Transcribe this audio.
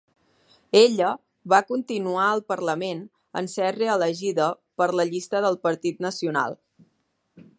Ella va continuar al Parlament en ser reelegida per la llista del Partit Nacional.